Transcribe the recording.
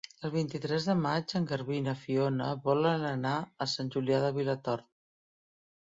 El vint-i-tres de maig en Garbí i na Fiona volen anar a Sant Julià de Vilatorta.